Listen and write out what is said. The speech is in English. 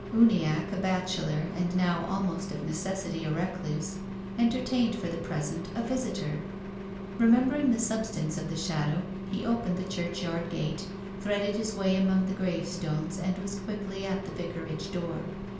Uniacke, a bachelor, and now al most of necessity a recluse, entertained for the pres ent a visitor. Remembering the substance of the shadow he opened the churchyard gate, threaded his way among the gravestones, and was quickly at the vicarage door.